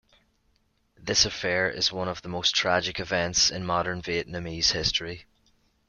This affair is one of the most tragic events in modern Vietnamese history.